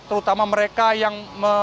terutama mereka yang